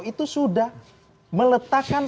itu sudah meletakkan